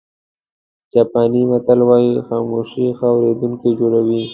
جاپاني متل وایي خاموشي ښه اورېدونکی جوړوي.